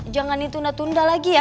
jangan ditunda tunda lagi ya